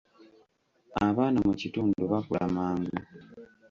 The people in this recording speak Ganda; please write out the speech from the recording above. Abaana mu kitundu bakula mangu.